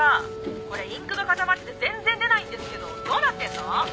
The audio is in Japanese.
これインクが固まってて全然出ないんですけどどうなってんの？